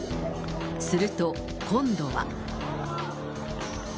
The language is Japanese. すると、今度は。